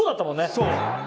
そう。